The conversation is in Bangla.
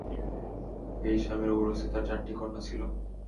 এই স্বামীর ঔরসে তার চারটি কন্যা ছিল।